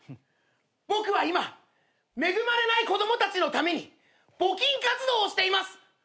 僕は今恵まれない子供たちのために募金活動をしています。